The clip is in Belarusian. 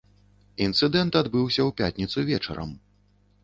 Інцыдэнт адбыўся ў пятніцу вечарам.